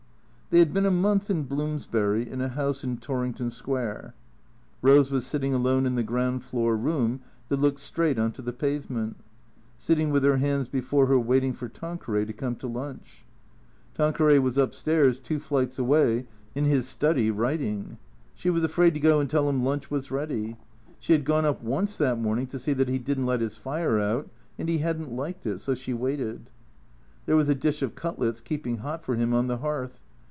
They had been a month in Bloomsbury, in a house in Torring ton Square. Rose was sitting alone in the ground floor room that looked straight on to the pavement. Sitting with her hands before her waiting for Tanqueray to come to lunch. Tanqueray was up stairs, two flights away, in his study, writing. She was afraid to go and tell him lunch was ready. She had gone up once that morning to see that he did n't let his fire out, and he had n't liked it ; so she waited. There was a dish of cutlets keeping hot for him on the hearth.